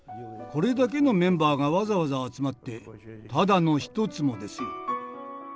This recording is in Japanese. これだけのメンバーがわざわざ集まってただの一つもですよ」。